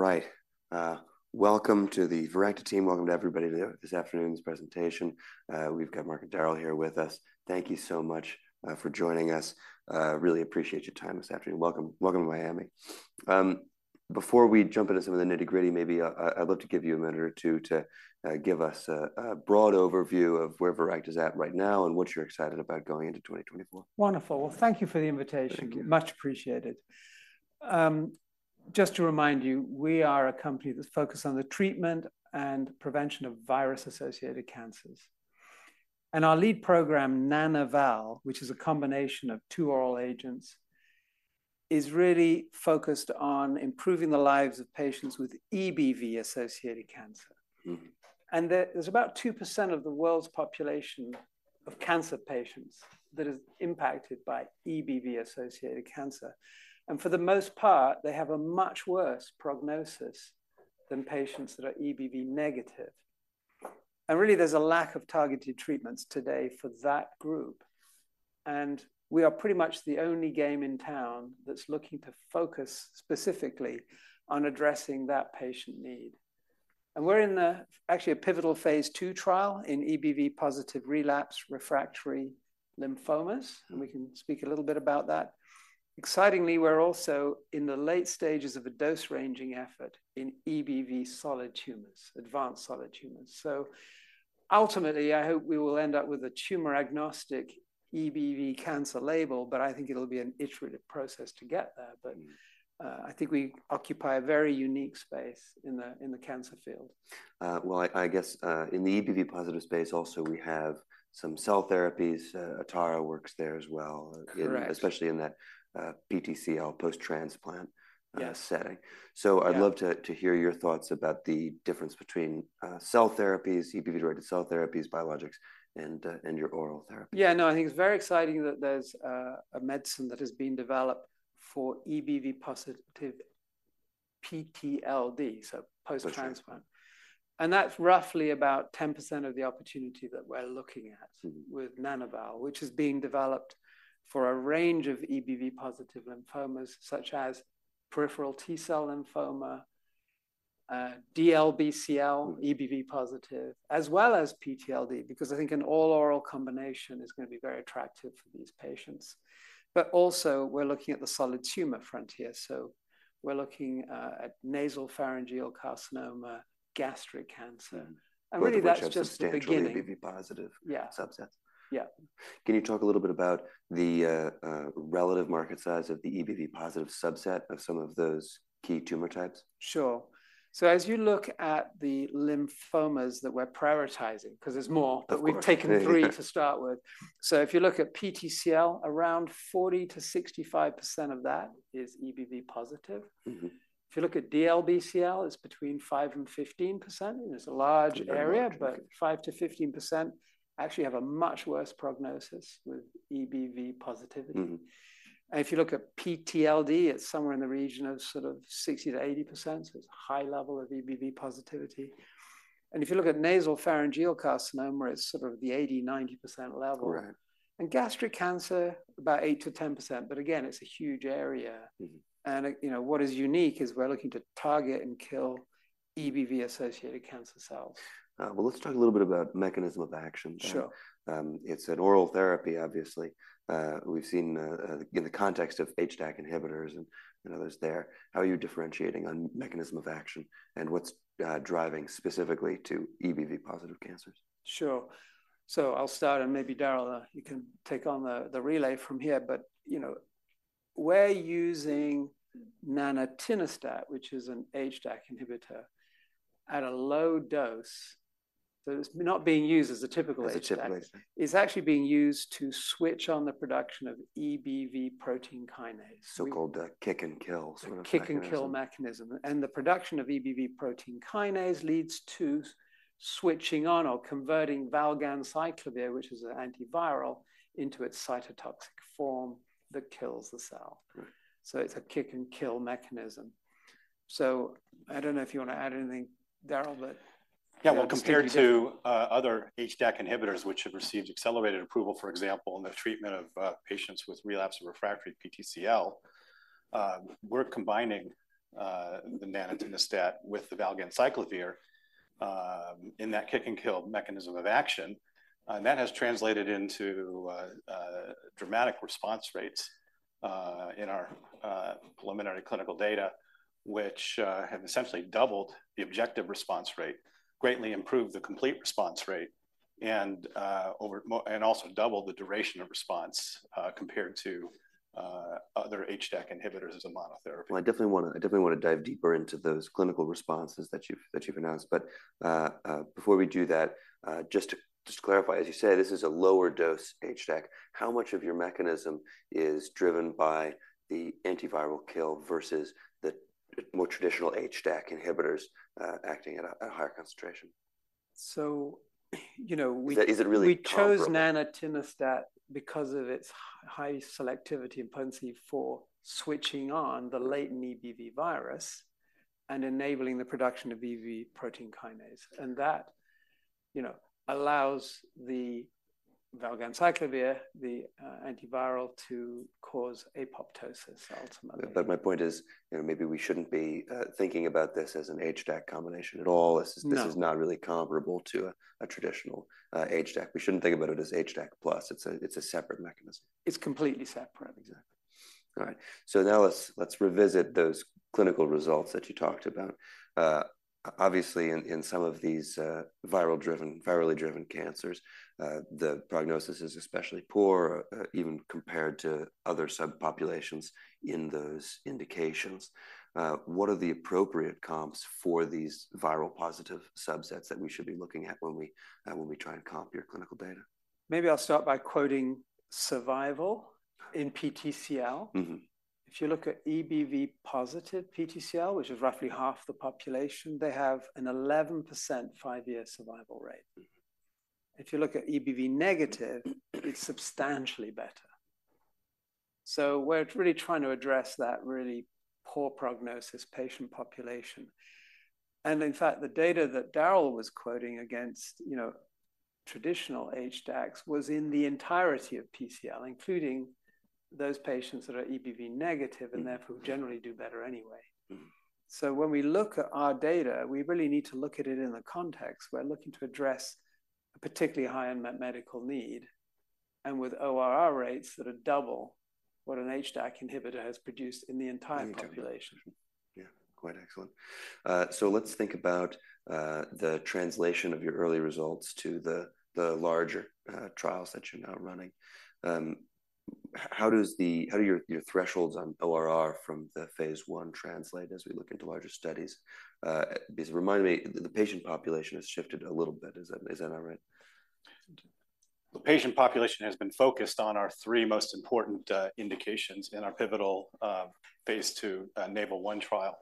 All right, welcome to the Viracta team. Welcome to everybody to this afternoon's presentation. We've got Mark and Darrel here with us. Thank you so much for joining us. Really appreciate your time this afternoon. Welcome, welcome to Miami. Before we jump into some of the nitty-gritty, maybe I, I'd love to give you a minute or two to give us a broad overview of where Viracta is at right now and what you're excited about going into 2024. Wonderful. Well, thank you for the invitation. Thank you. Much appreciated. Just to remind you, we are a company that's focused on the treatment and prevention of virus-associated cancers. And our lead program, Nana-val, which is a combination of two oral agents, is really focused on improving the lives of patients with EBV-associated cancer. And there's about 2% of the world's population of cancer patients that is impacted by EBV-associated cancer, and for the most part, they have a much worse prognosis than patients that are EBV negative. Really, there's a lack of targeted treatments today for that group, and we are pretty much the only game in town that's looking to focus specifically on addressing that patient need. And we're actually in a pivotal Phase II trial in EBV-positive relapsed, refractory lymphomas, and we can speak a little bit about that. Excitingly, we're also in the late stages of a dose-ranging effort in EBV solid tumors, advanced solid tumors. So ultimately, I hope we will end up with a tumor-agnostic EBV cancer label, but I think it'll be an iterative process to get there. But, I think we occupy a very unique space in the cancer field. Well, I guess, in the EBV positive space, also, we have some cell therapies. Atara works there as well- Correct. - especially in that, PTCL post-transplant, Yeah - setting. Yeah. I'd love to hear your thoughts about the difference between cell therapies, EBV-directed cell therapies, biologics, and your oral therapy. Yeah, no, I think it's very exciting that there's a medicine that is being developed for EBV-positive PTLD, so post-transplant. Okay. That's roughly about 10% of the opportunity that we're looking at with Nana-val, which is being developed for a range of EBV-positive lymphomas, such as peripheral T-cell lymphoma, DLBCL, EBV-positive, as well as PTLD, because I think an all-oral combination is going to be very attractive for these patients. But also, we're looking at the solid tumor frontier, so we're looking at nasopharyngeal carcinoma, gastric cancer. And really, that's just the beginning. Which are substantially EBV positive- Yeah - subsets. Yeah. Can you talk a little bit about the relative market size of the EBV-positive subset of some of those key tumor types? Sure. So as you look at the lymphomas that we're prioritizing, 'cause there's more- Of course. But we've taken three to start with. So if you look at PTCL, around 40%-65% of that is EBV positive. If you look at DLBCL, it's between 5% and 15%, and it's a large area- Very large... but 5%-15% actually have a much worse prognosis with EBV positivity. If you look at PTLD, it's somewhere in the region of sort of 60%-80%, so it's a high level of EBV positivity. If you look at nasopharyngeal carcinoma, it's sort of the 80%-90% level. Correct. Gastric cancer, about 8%-10%, but again, it's a huge area. You know, what is unique is we're looking to target and kill EBV-associated cancer cells. Well, let's talk a little bit about mechanism of action. Sure. It's an oral therapy, obviously. We've seen, in the context of HDAC inhibitors and others there, how are you differentiating on mechanism of action, and what's driving specifically to EBV-positive cancers? Sure. So I'll start, and maybe, Darrel, you can take on the, the relay from here, but, you know, we're using nanatinostat, which is an HDAC inhibitor, at a low dose, so it's not being used as a typical HDAC. As a typical HDAC. It's actually being used to switch on the production of EBV protein kinase. So-called the Kick and Kill sort of mechanism. Kick and Kill mechanism. The production of EBV protein kinase leads to switching on or converting valganciclovir, which is an antiviral, into its cytotoxic form that kills the cell. Right. So it's a Kick and Kill mechanism. So I don't know if you want to add anything, Darrel, but- Yeah, well, compared to other HDAC inhibitors, which have received accelerated approval, for example, in the treatment of patients with relapsed or refractory PTCL, we're combining the nanatinostat with the valganciclovir in that Kick and Kill mechanism of action. And that has translated into dramatic response rates in our preliminary clinical data, which have essentially doubled the objective response rate, greatly improved the complete response rate, and also doubled the duration of response compared to other HDAC inhibitors as a monotherapy. Well, I definitely wanna dive deeper into those clinical responses that you've announced, but before we do that, just to clarify, as you said, this is a lower dose HDAC. How much of your mechanism is driven by the antiviral kill versus the more traditional HDAC inhibitors acting at a higher concentration? So, you know, we- Is it, is it really comparable? We chose nanatinostat because of its high selectivity and potency for switching on the latent EBV virus and enabling the production of EBV protein kinase. And that, you know, allows the valganciclovir, the antiviral to cause apoptosis ultimately. But my point is, you know, maybe we shouldn't be thinking about this as an HDAC combination at all. No. This is not really comparable to a traditional HDAC. We shouldn't think about it as HDAC plus. It's a separate mechanism. It's completely separate. Exactly. All right. So now let's, let's revisit those clinical results that you talked about. Obviously, in some of these viral-driven, virally-driven cancers, the prognosis is especially poor, even compared to other subpopulations in those indications. What are the appropriate comps for these viral positive subsets that we should be looking at when we try to comp your clinical data? Maybe I'll start by quoting survival in PTCL. If you look at EBV positive PTCL, which is roughly half the population, they have an 11% five-year survival rate. If you look at EBV-negative, it's substantially better. So we're really trying to address that really poor prognosis patient population. And in fact, the data that Darrel was quoting against, you know, traditional HDACs was in the entirety of PTCL, including those patients that are EBV-negative and therefore generally do better anyway. So when we look at our data, we really need to look at it in the context. We're looking to address a particularly high unmet medical need, and with ORR rates that are double what an HDAC inhibitor has produced in the entire population. Yeah, quite excellent. So let's think about the translation of your early results to the larger trials that you're now running. How do your thresholds on ORR from the phase one translate as we look into larger studies? It's reminding me that the patient population has shifted a little bit. Is that all right? The patient population has been focused on our three most important indications in our pivotal Phase II NAVAL-1 trial,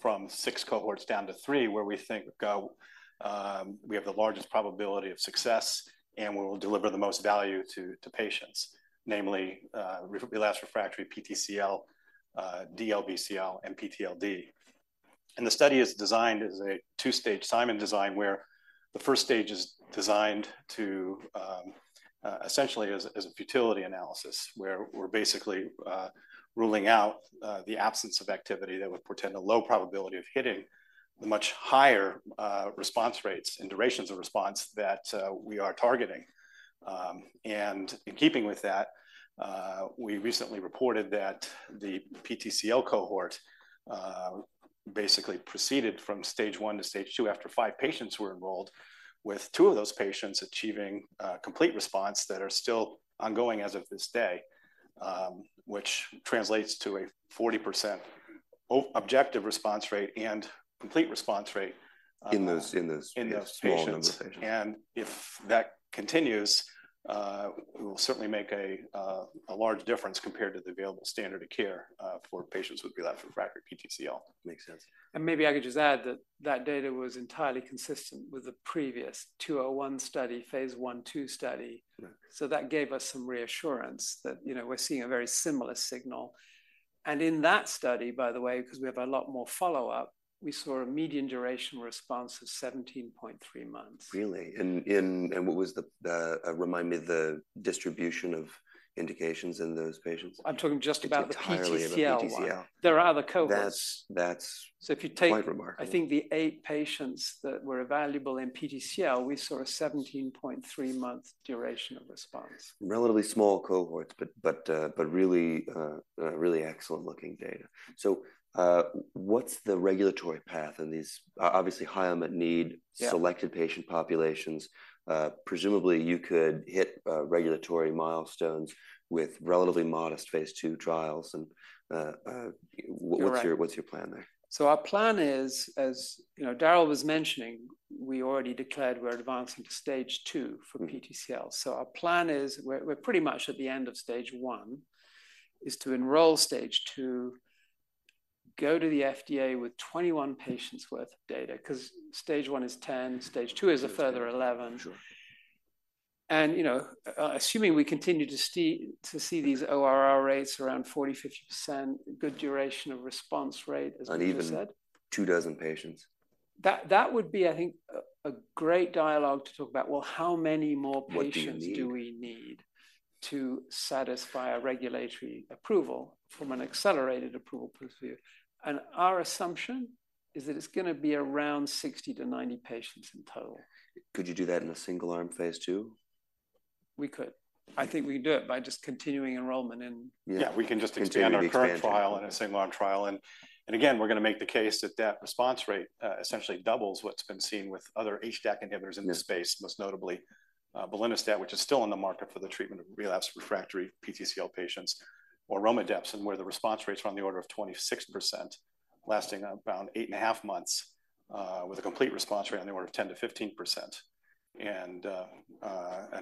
from six cohorts down to three, where we think we have the largest probability of success, and we will deliver the most value to patients, namely relapsed refractory PTCL, DLBCL, and PTLD. The study is designed as a two-stage Simon design, where the first stage is designed to essentially as a futility analysis, where we're basically ruling out the absence of activity that would portend a low probability of hitting the much higher response rates and durations of response that we are targeting. And in keeping with that, we recently reported that the PTCL cohort basically proceeded from Stage 1 to Stage 2 after five patients were enrolled, with two of those patients achieving complete response that are still ongoing as of this day, which translates to a 40% objective response rate and complete response rate. In those- In those patients. Small number of patients. If that continues, it will certainly make a, a large difference compared to the available standard of care, for patients with relapsed refractory PTCL. Makes sense. Maybe I could just add that that data was entirely consistent with the previous 201 study, Phase I, II study. Yeah. So that gave us some reassurance that, you know, we're seeing a very similar signal. And in that study, by the way, because we have a lot more follow-up, we saw a median duration response of 17.3 months. Really? And what was the, remind me the distribution of indications in those patients? I'm talking just about the PTCL one. Entirely in the PTCL. There are other cohorts. That's, that's- So if you take- Quite remarkable... I think the eight patients that were available in PTCL, we saw a 17.3-month duration of response. Relatively small cohorts, but really excellent looking data. So, what's the regulatory path in these, obviously, high unmet need- Yeah... selected patient populations? Presumably, you could hit regulatory milestones with relatively modest phase two trials. And... Correct. What's your plan there? So our plan is, as you know, Darrel was mentioning, we already declared we're advancing to Stage 2 for PTCL. So our plan is, we're pretty much at the end of Stage 1, is to enroll Stage 2, go to the FDA with 21 patients worth of data, 'cause Stage 1 is 10, Stage 2 is a further 11. Sure. You know, assuming we continue to see these ORR rates around 40%-50%, good duration of response rate, as I said- On even 24 patients. That would be, I think, a great dialogue to talk about, well, how many more patients- What do you need? Do we need to satisfy a regulatory approval from an accelerated approval perspective? Our assumption is that it's gonna be around 60-90 patients in total. Could you do that in a single-arm Phase II? We could. I think we can do it by just continuing enrollment in- Yeah. Yeah, we can just- Continue to expand.... expand our current trial in a single-arm trial. And again, we're gonna make the case that that response rate essentially doubles what's been seen with other HDAC inhibitors in this space, most notably belinostat, which is still on the market for the treatment of relapsed refractory PTCL patients, or romidepsin, where the response rates are on the order of 26%, lasting around 8.5 months, with a complete response rate on the order of 10%-15%. And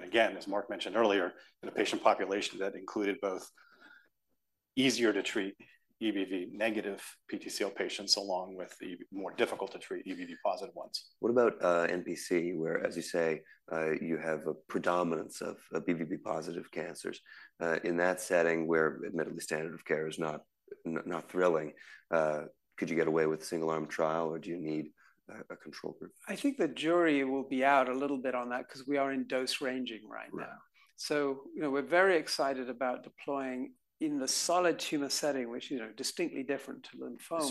again, as Mark mentioned earlier, in a patient population that included both easier to treat EBV negative PTCL patients, along with the more difficult to treat EBV positive ones. What about NPC, where, as you say, you have a predominance of EBV positive cancers, in that setting where admittedly standard of care is not?... Not thrilling, could you get away with a single arm trial, or do you need a control group? I think the jury will be out a little bit on that because we are in dose-ranging right now. Right. You know, we're very excited about deploying in the solid tumor setting, which, you know, is distinctly different to lymphoma-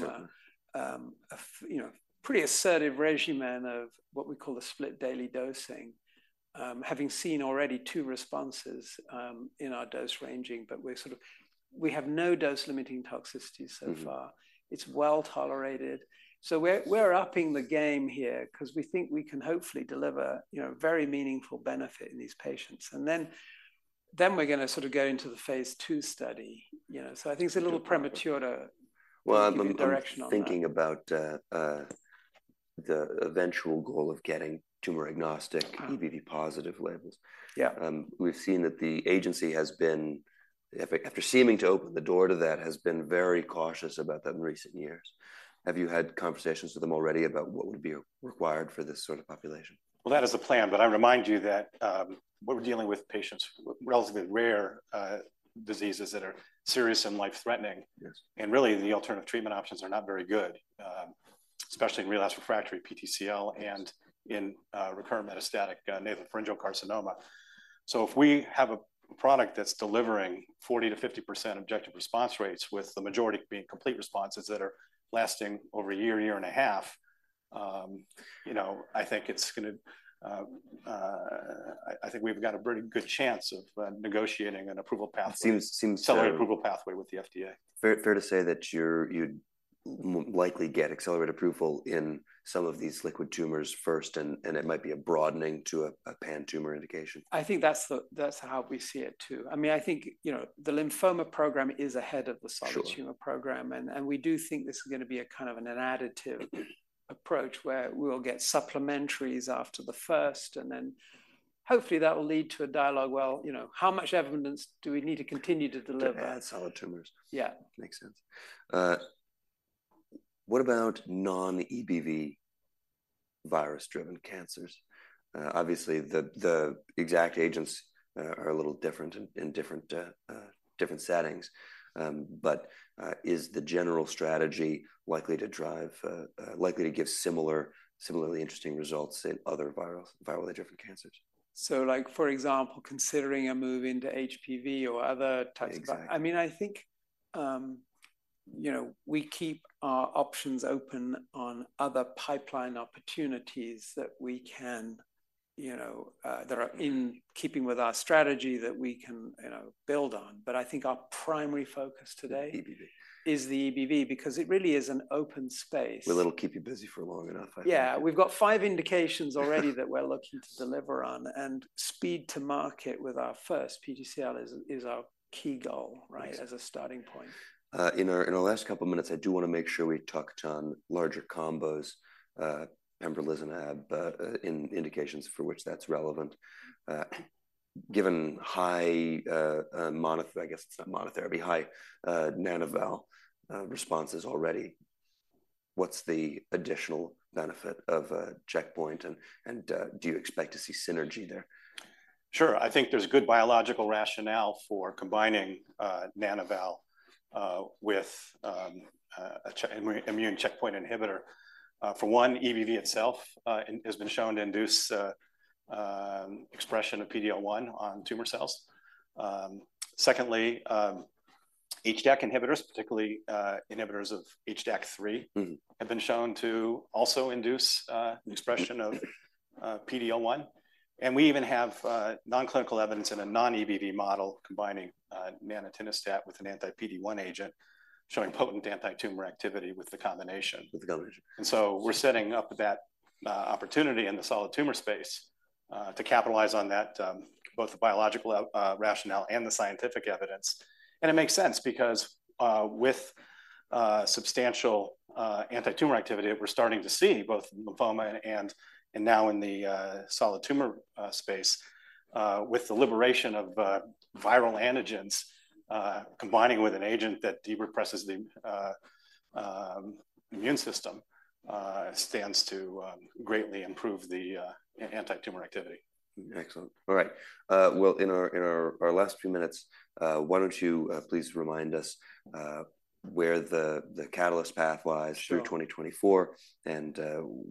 Sure. ..you know, pretty assertive regimen of what we call a split daily dosing, having seen already two responses in our dose-ranging, but we're sort of, we have no dose-limiting toxicity so far. It's well tolerated. So we're upping the game here 'cause we think we can hopefully deliver, you know, very meaningful benefit in these patients. And then we're gonna sort of go into the phase two study, you know. So I think it's a little premature to- Well, I'm give you direction on that... thinking about, the eventual goal of getting tumor-agnostic- Uh... EBV positive labels. Yeah. We've seen that the agency has been, after seeming to open the door to that, has been very cautious about that in recent years. Have you had conversations with them already about what would be required for this sort of population? Well, that is the plan, but I remind you that we're dealing with patients with relatively rare diseases that are serious and life-threatening. Yes. Really, the alternative treatment options are not very good, especially in relapsed refractory PTCL and in recurrent metastatic nasopharyngeal carcinoma. So if we have a product that's delivering 40%-50% objective response rates, with the majority being complete responses that are lasting over a year, year and a half, you know, I think it's gonna I think we've got a very good chance of negotiating an approval pathway- Seems so- Accelerated approval pathway with the FDA. Fair to say that you'd likely get accelerated approval in some of these liquid tumors first, and it might be a broadening to a pan-tumor indication? I think that's how we see it too. I mean, I think, you know, the lymphoma program is ahead of the solid tumor- Sure... program, and we do think this is gonna be a kind of an additive approach, where we'll get supplementaries after the first, and then hopefully that will lead to a dialogue: "Well, you know, how much evidence do we need to continue to deliver? To add solid tumors? Yeah. Makes sense. What about non-EBV virus-driven cancers? Obviously, the exact agents are a little different in different settings. But, is the general strategy likely to give similarly interesting results in other virally driven cancers? Like, for example, considering a move into HPV or other types… Exactly. I mean, I think, you know, we keep our options open on other pipeline opportunities that we can, you know that are in keeping with our strategy that we can, you know, build on. But I think our primary focus today- EBV... is the EBV because it really is an open space. Well, it'll keep you busy for long enough, I think. Yeah. We've got five indications already that we're looking to deliver on, and speed to market with our first, PTCL, is our key goal, right? Yes. As a starting point. In our last couple minutes, I do wanna make sure we talk on larger combos, pembrolizumab in indications for which that's relevant. Given high- I guess it's not monotherapy- Nana-val responses already, what's the additional benefit of a checkpoint, and do you expect to see synergy there? Sure. I think there's good biological rationale for combining Nana-val with an immune checkpoint inhibitor. For one, EBV itself has been shown to induce expression of PD-L1 on tumor cells. Secondly, HDAC inhibitors, particularly inhibitors of HDAC3 have been shown to also induce an expression of PD-L1. We even have non-clinical evidence in a non-EBV model combining nanatinostat with an anti-PD-1 agent, showing potent antitumor activity with the combination. With the combination. We're setting up that opportunity in the solid tumor space to capitalize on that, both the biological rationale and the scientific evidence. It makes sense because with substantial antitumor activity, we're starting to see both in lymphoma and now in the solid tumor space with the liberation of viral antigens, combining with an agent that derepresses the immune system stands to greatly improve the antitumor activity. Excellent. All right, well, in our last few minutes, why don't you please remind us where the catalyst path lies- Sure... through 2024, and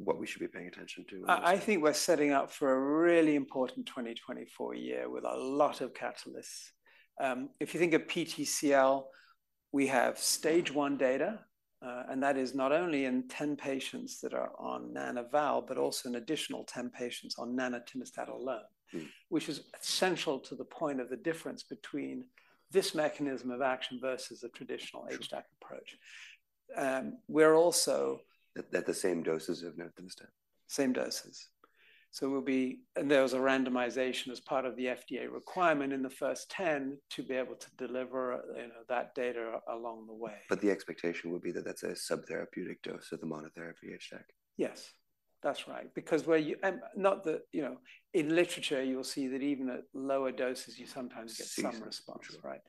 what we should be paying attention to. I think we're setting up for a really important 2024 year with a lot of catalysts. If you think of PTCL, we have Stage 1 data, and that is not only in 10 patients that are on Nana-val, but also in additional 10 patients on nanatinostat alone which is essential to the point of the difference between this mechanism of action versus a traditional HDAC approach. Sure. We're also- At the same doses of nanatinostat? Same doses. So we'll be and there was a randomization as part of the FDA requirement in the first 10 to be able to deliver, you know, that data along the way. The expectation would be that that's a subtherapeutic dose of the monotherapy HDAC? Yes, that's right. Because where you—and not that, you know... In literature, you will see that even at lower doses, you sometimes get some response- Sure... right?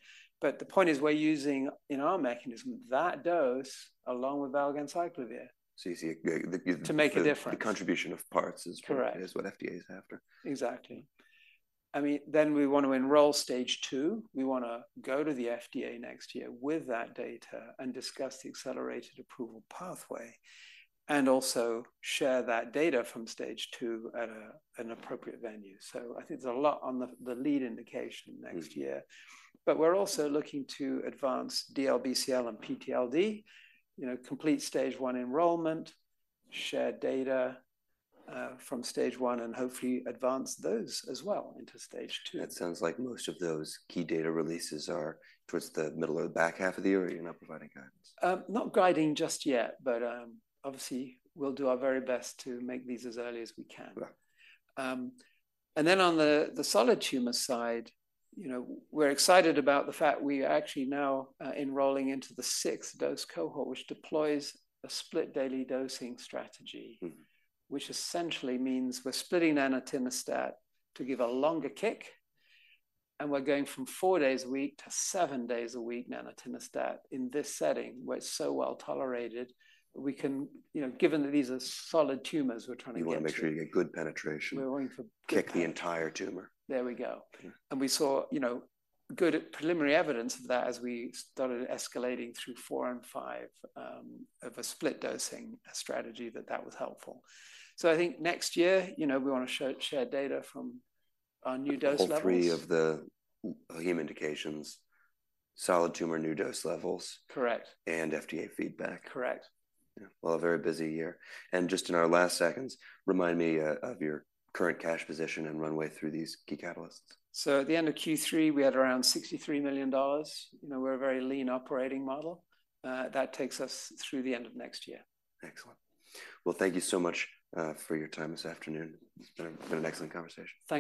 But the point is, we're using, in our mechanism, that dose along with valganciclovir- So you see, To make a difference.... the contribution of parts is- Correct... is what FDA is after. Exactly. I mean, then we want to enroll Stage 2. We want to go to the FDA next year with that data and discuss the accelerated approval pathway, and also share that data from Stage 2 at an appropriate venue. So I think there's a lot on the lead indication next year. But we're also looking to advance DLBCL and PTLD, you know, complete Stage 1 enrollment, share data from Stage 1, and hopefully advance those as well into Stage 2. That sounds like most of those key data releases are towards the middle or the back half of the year, or you're not providing guidance? Not guiding just yet, but obviously we'll do our very best to make these as early as we can. Right. And then on the solid tumor side, you know, we're excited about the fact we are actually now enrolling into the sixth dose cohort, which deploys a split daily dosing strategy. Which essentially means we're splitting nanatinostat to give a longer kick, and we're going from four days a week to seven days a week nanatinostat in this setting, where it's so well tolerated, we can... You know, given that these are solid tumors, we're trying to get to- You want to make sure you get good penetration. We're going for good- Kick the entire tumor. There we go. Yeah. We saw, you know, good preliminary evidence of that as we started escalating through 4 and 5 of a split dosing strategy, that that was helpful. So I think next year, you know, we want to share data from our new dose levels. All three of the heme indications, solid tumor, new dose levels- Correct. -and FDA feedback. Correct. Yeah. Well, a very busy year. Just in our last seconds, remind me of your current cash position and runway through these key catalysts. So at the end of Q3, we had around $63 million. You know, we're a very lean operating model that takes us through the end of next year. Excellent. Well, thank you so much for your time this afternoon. It's been been an excellent conversation.